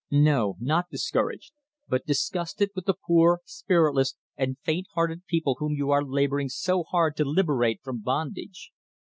No, not discouraged, but disgusted with the poor, spiritless, and faint hearted people whom you are labouring so hard to liberate from bondage.